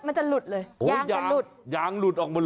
มันจะหลุดเลยยางจะหลุด